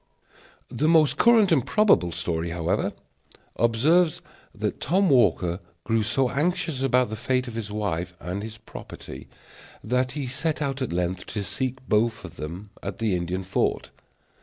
The most current and probable story, however, observes that Tom Walker grew so anxious about the fate of his wife and his property that he set out at length to seek them both at the Indian fort.